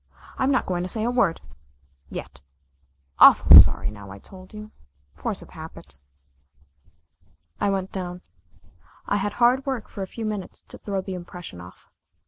I'm not going to say a word yet. Awful sorry now I told you. Force of habit." I went down. I had hard work for a few minutes to throw the impression off.